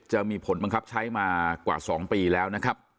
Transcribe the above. จะมีผลบังคับใช้มากว่า๒ปีแล้วนะครับ